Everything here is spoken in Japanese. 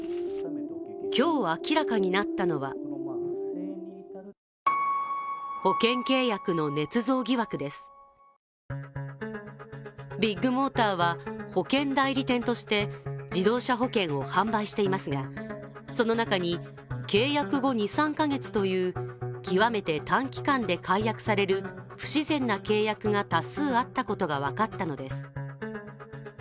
今日、明らかになったのはビッグモーターは保険代理店として自動車保険を販売していますが、その中に契約後２３か月という極めて短期間で解約される不自然な契約が多数あったことが分かったのです。